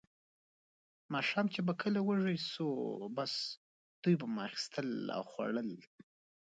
ماښام چې به کله وږي شوو، بس دوی به مو اخیستل او خوړل.